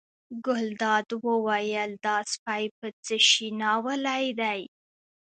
ګلداد وویل دا سپی په څه شي ناولی دی.